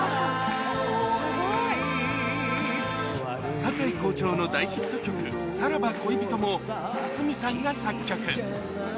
堺校長の大ヒット曲、さらば恋人も筒美さんが作曲。